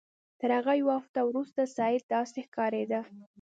تر هغه یوه هفته وروسته سید داسې ښکارېده.